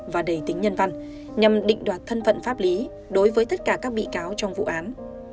và đầy tính nhân văn nhằm định đoạt thân phận pháp lý đối với tất cả các bị cáo trong vụ án